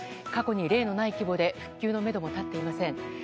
過去に例のない規模で復旧のめども立っていません。